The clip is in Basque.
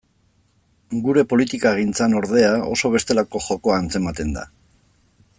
Gure politikagintzan, ordea, oso bestelako jokoa antzematen da.